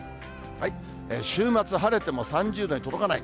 週末晴れても３０度に届かない。